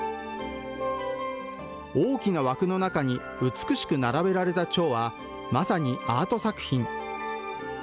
大きな枠の中に美しく並べられたチョウはまさにアート作品。